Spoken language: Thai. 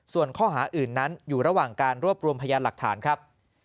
ส่วนข้อหาอื่นนั้นอยู่ระหว่างการรวบรวมพยานหลักฐานครับ